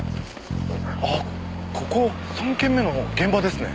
あっここ３件目の現場ですね。